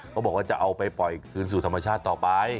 เขาบอกว่าจะเอาไปปล่อยคืนสู่ธรรมชาติต่อไป